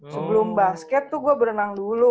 sebelum basket tuh gue berenang dulu